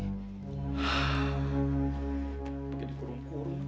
bagaimana kalau dikurung kurung